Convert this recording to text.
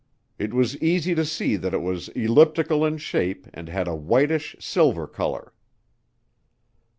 It was easy to see that it was elliptical in shape and had a 'whitish silver color.'"